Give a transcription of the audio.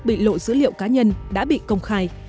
bị lộ dữ liệu cá nhân đã bị công khai